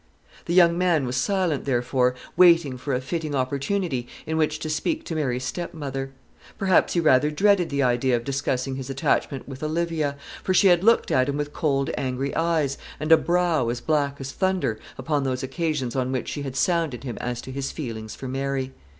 The young man was silent therefore, waiting for a fitting opportunity in which to speak to Mary's stepmother. Perhaps he rather dreaded the idea of discussing his attachment with Olivia; for she had looked at him with cold angry eyes, and a brow as black as thunder, upon those occasions on which she had sounded him as to his feelings for Mary.